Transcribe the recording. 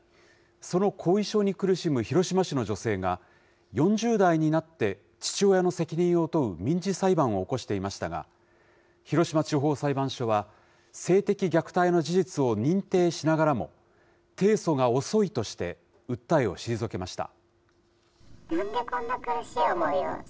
その後遺症に苦しむ広島市の女性が、４０代になって、父親の責任を問う民事裁判を起こしていましたが、広島地方裁判所は、性的虐待の事実を認定しながらも、提訴が遅いとして、訴えを退けました。